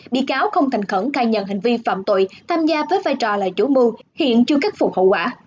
bị cáo không thành khẩn khai nhận hành vi phạm tội tham gia với vai trò là chủ mưu hiện chưa khắc phục hậu quả